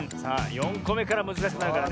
４こめからむずかしくなるからね。